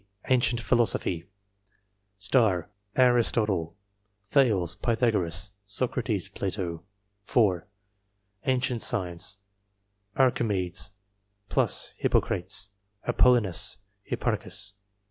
Ancient philosophy . ARISTOTLE, Thales, Pythagoras, Socrates, Plato. 4. Ancient science ... ARCHIMEDES, t Hippocrates, Apollonius, Hipparchus.